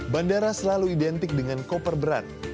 bandara selalu identik dengan koper berat